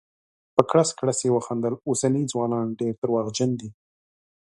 په کړس کړس یې وخندل: اوسني ځوانان ډير درواغجن دي.